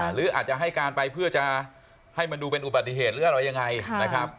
หรืออาจจะให้การไปเพื่อจะให้มันดูเป็นอุบัติเหตุหรืออะไรยังไงนะครับ